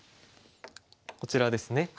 こちらですね。